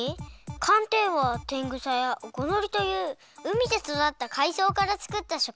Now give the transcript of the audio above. かんてんはテングサやオゴノリといううみでそだったかいそうからつくったしょくひん。